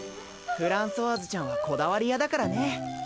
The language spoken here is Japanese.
フランソワーズちゃんはこだわり屋だからね。